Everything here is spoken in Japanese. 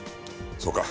そうか。